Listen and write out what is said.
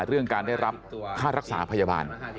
เรื่องการได้รับค่ารักษาพยาบาล